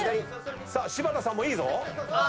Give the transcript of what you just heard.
柴田さんもいいぞ。